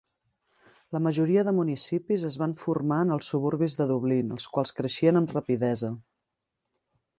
La majoria de municipis es van formar en els suburbis de Dublín, els quals creixien amb rapidesa.